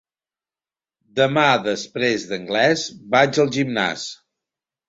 Demà després d'anglès vaig al gimnàs.